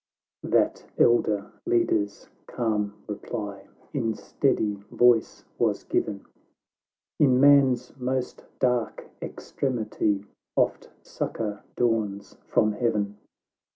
— That elder Leader's calm reply In steady voice was given, " In man's most dark extremity Oft succour dawns from Heaven.